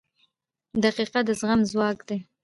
• دقیقه د زغم ځواک دی.